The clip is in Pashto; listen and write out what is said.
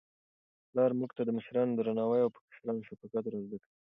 پلار موږ ته د مشرانو درناوی او په کشرانو شفقت را زده کوي.